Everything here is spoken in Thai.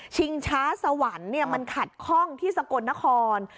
ชิงช้าสวรรค์มันขัดข้องที่สกลนคร